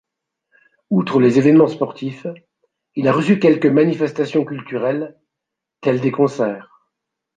Outre les évènements sportifs, il a reçu quelques manifestations culturelles telles des concerts.